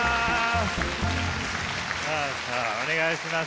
さあさあお願いします。